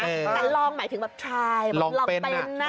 การลองหมายถึงแบบลองเป็นน่ะ